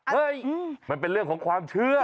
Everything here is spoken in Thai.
มันเป็นเรื่องของความเชื่อ